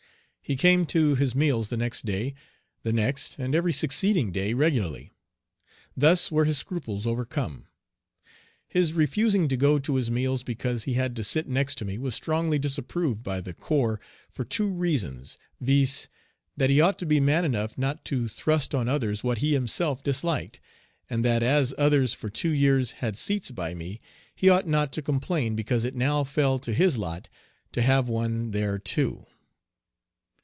He came to his meals the next day, the next, and every succeeding day regularly. Thus were his scruples overcome. His refusing to go to his meals because he had to sit next to me was strongly disapproved by the corps for two reasons, viz., that he ought to be man enough not to thrust on others what he himself disliked; and that as others for two years had had seats by me, he ought not to complain because it now fell to his lot to have one there too.